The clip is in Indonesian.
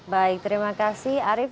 baik terima kasih arief